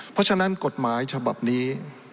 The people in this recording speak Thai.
เพราะฉะนั้นกฎหมายฉบับนี้